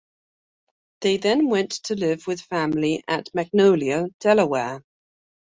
They then went to live with family at Magnolia, Delaware.